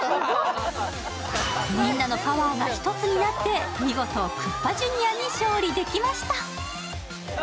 みんなのパワーが一つになって見事クッパジュニアに勝利できました。